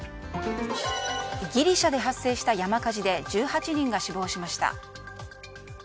ギリシャで発生した山火事で１８人が死亡しました。